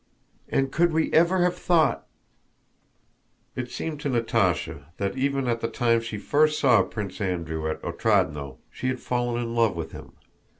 "And could we ever have thought!..." It seemed to Natásha that even at the time she first saw Prince Andrew at Otrádnoe she had fallen in love with him.